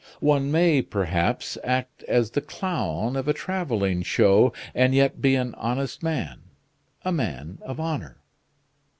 One may, perhaps, act as the clown of a traveling show, and yet be an honest man a man of honor."